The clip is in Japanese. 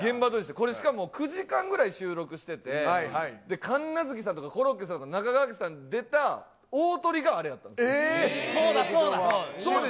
これしかも、９時間ぐらい収録してて、神奈月さんとかコロッケさんとか中川家さんが出た大トリがあれやそうだそうだ。